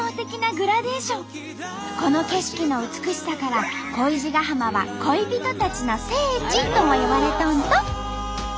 この景色の美しさから恋路ヶ浜は「恋人たちの聖地」ともいわれとんと！